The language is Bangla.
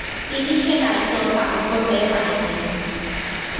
তিনি সে দায়িত্ব পালন করতে পারেন নি।